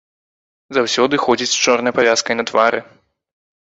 Заўсёды ходзіць з чорнай павязкай на твары.